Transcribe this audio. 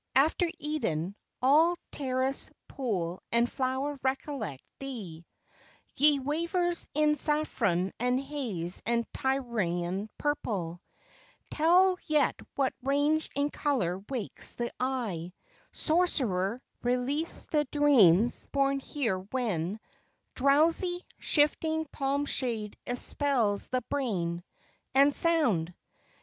After Eden, all terrace, pool, and flower recollect thee: Ye weavers in saffron and haze and Tyrian purple, Tell yet what range in color wakes the eye; Sorcerer, release the dreams born here when Drowsy, shifting palm shade enspells the brain; And sound!